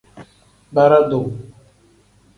Bara-duu.